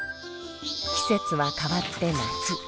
季節は変わって夏。